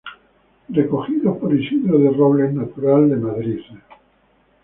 Recogidos por Isidro de Robles, Natural de Madrid.